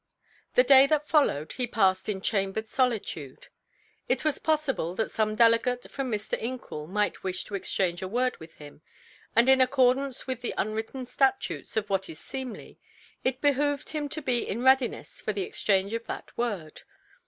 The day that followed he passed in chambered solitude; it was possible that some delegate from Mr. Incoul might wish to exchange a word with him, and in accordance with the unwritten statutes of what is seemly, it behooved him to be in readiness for the exchange of that word.